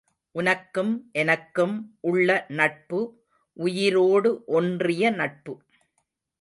உனக்கும் எனக்கும் உள்ள நட்பு உயிரோடு ஒன்றிய நட்பு.